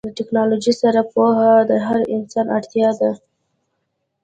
د ټیکنالوژۍ سره پوهه د هر انسان اړتیا ده.